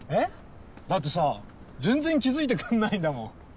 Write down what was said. だってさ全然気付いてくんないんだもん。